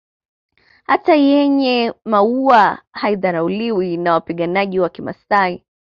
Hata yenye maua haidharauliwi na wapiganaji wa kimasai